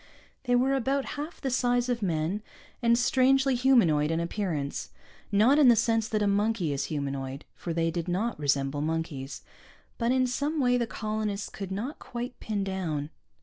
They were about half the size of men, and strangely humanoid in appearance, not in the sense that a monkey is humanoid (for they did not resemble monkeys) but in some way the colonists could not quite pin down.